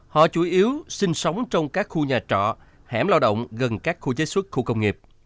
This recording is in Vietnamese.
họ chủ yếu sinh sống trong các khu nhà trọ hẻm lao động gần các khu chế xuất khu công nghiệp